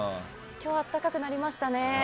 今日、暖かくなりましたね。